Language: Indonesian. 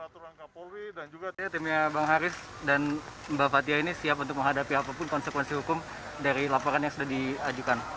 timnya bang haris dan mbak fathia ini siap untuk menghadapi apapun konsekuensi hukum dari laporan yang sudah diajukan